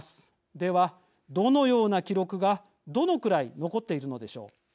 では、どのような記録がどのくらい残っているのでしょう。